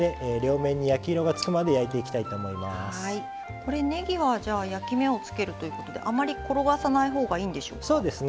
これねぎはじゃあ焼き目をつけるということであまり転がさないほうがいいんでしょうか？